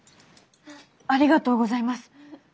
ありがとうございます。